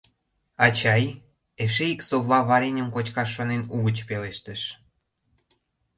— Ачай, — эше ик совла вареньым кочкаш шонен угыч пелештыш.